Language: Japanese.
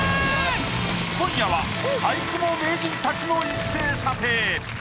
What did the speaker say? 今夜は俳句も名人たちの一斉査定。